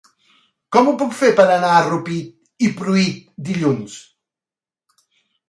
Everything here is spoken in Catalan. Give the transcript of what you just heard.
Com ho puc fer per anar a Rupit i Pruit dilluns?